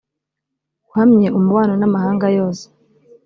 uhamye umubano n amahanga yose